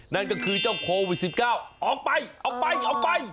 นั่นก็คือเจ้าโควิด๑๙ออกไปออกไป